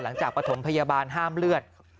หลังจากประถมพยาบาลห้ามเลือด